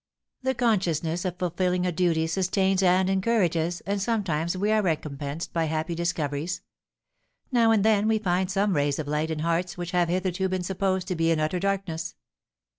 "The consciousness of fulfilling a duty sustains and encourages, and sometimes we are recompensed by happy discoveries; now and then we find some rays of light in hearts which have hitherto been supposed to be in utter darkness."